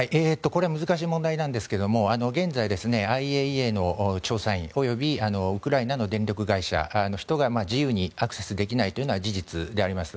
難しい問題ですが現在、ＩＡＥＡの調査員及びウクライナの電力会社の人が自由にアクセスできないのは事実であります。